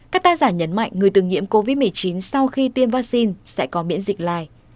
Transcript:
các tác giả nhấn mạnh người từng nhiễm covid một mươi chín sau khi tiêm vaccine sẽ có miễn dịch lai